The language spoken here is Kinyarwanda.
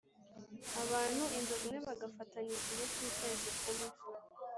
abantu inzovu imwe bagafatanya igihe cy’ukwezi kumwe